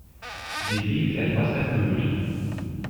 Sie liegt etwas erhöht.